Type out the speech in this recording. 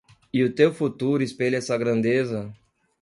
E o teu futuro espelha essa grandeza